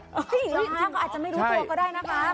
มี่เบอร์รู้หรอฮะก็อาจจะไม่รู้ตัวก็ได้นะคะ